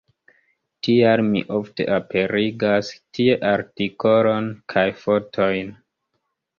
Tial mi ofte aperigas tie artikolon kaj fotojn.